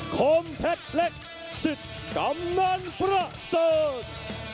ความเป็นความเผ็ดสิทธิ์กำลังมาส่ง